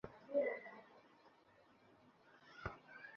শুধুমাত্র ব্লক করেছি।